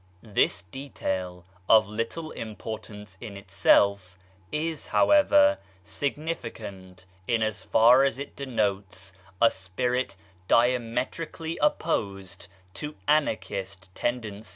This detail, of little importance in itself, is, however, significant in as far as it denotes a spirit diametrically opposed to anarchist ten dencies.